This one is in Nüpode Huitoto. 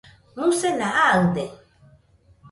musena aɨde